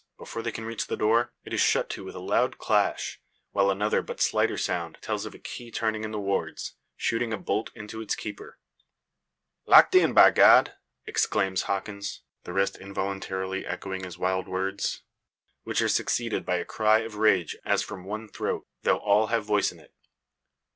Before they can reach the door, it is shut to with a loud clash; while another but slighter sound tells of a key turning in the wards, shooting a bolt into its keeper. "Locked in, by God!" exclaims Hawkins, the rest involuntarily echoing his wild words; which are succeeded by a cry of rage as from one throat, though all have voice in it.